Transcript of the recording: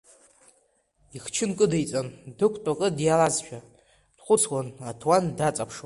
Ихчы нкыдиҵан, дықәтәа-кыдиалазшәа дхәыцуан, аҭуан даҵаԥшуа.